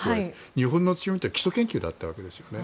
日本の強みって基礎研究だったわけですよね。